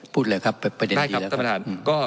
พูดเลยครับประเด็นที่นะครับ